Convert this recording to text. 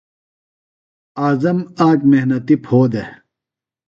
اعظم آک محنتیۡ پھو ہِنوۡ۔